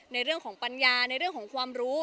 ในเรื่องของปัญญาในเรื่องของความรู้